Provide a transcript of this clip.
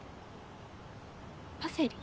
パセリ？